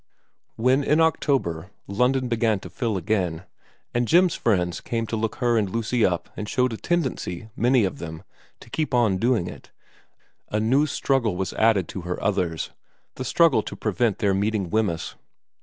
When in October London began to fill again, and Jim's friends came to look her and Lucy up and showed a tendency, many of them, to keep on doing it, a new struggle was added to her others, the struggle to pre vent their meeting Wemyss.